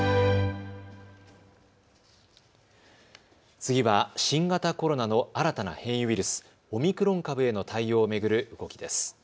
次は新型コロナの新たな変異ウイルス、オミクロン株への対応を巡る動きです。